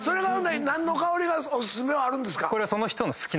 何の香りがお薦めはあるんですか？